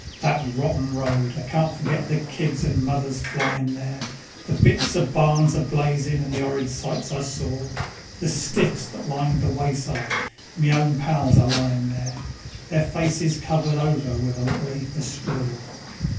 That rotten road! I can't forget the kids and mothers flyin' there, The bits of barns a blazin' and the 'orrid sights I sor; The stiffs that lined the wayside, me own pals a lyin' there, Their faces covered over wiv a little 'eap of stror.